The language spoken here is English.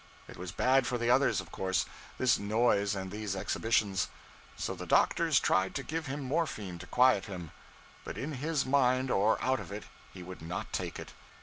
It was bad for the others, of course this noise and these exhibitions; so the doctors tried to give him morphine to quiet him. But, in his mind or out of it, he would not take it.